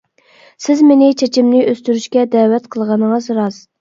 سىز مېنى چېچىمنى ئۆستۈرۈشكە دەۋەت قىلغىنىڭىز راست.